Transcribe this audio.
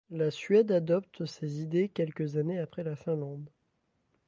La Suède adopte ces idées quelques années après la Finlande.